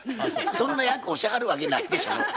そんな役をしはるわけないでしょ。